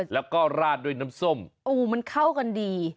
แล้วก็ราดด้วยน้ำส้มโอ้มันเข้ากันดี